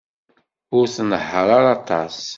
Ur tnehheṛ ara aṭas.